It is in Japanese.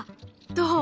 どう？